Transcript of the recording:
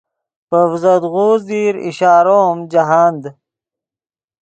پے ڤزدغوز دیر اشارو ام جاہند